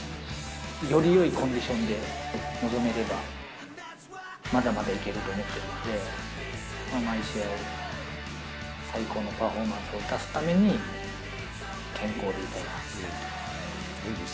よりよいコンディションで臨めれば、まだまだいけると思っているので、毎試合、最高のパフォーマンスを出すために、健康でいたいなと思います。